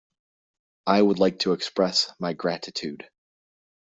I would like to express my gratitude.